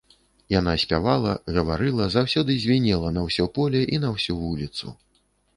Яна спявала, гаварыла, заўсёды звінела на ўсё поле і на ўсю вуліцу.